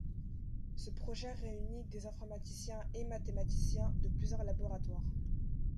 Ce projet réunit des informaticiens et mathématiciens de plusieurs laboratoires.